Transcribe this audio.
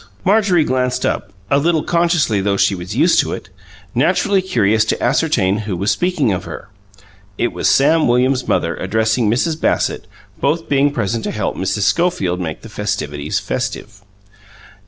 Mariorie galanced up a little consciously, though she was used to it naturally curious to ascertain who was speaking of her. It was Sam Williams' mother addressing Mrs. Bassett, both being present to help Mrs. Schofield make the festivities festive.